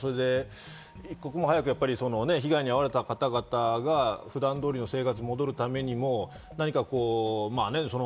一刻も早く被害に遭われた方々が普段通りの生活に戻るためにも。